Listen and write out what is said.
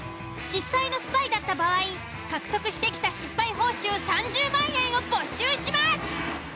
実際のスパイだった場合獲得してきた失敗報酬３０万円を没収します。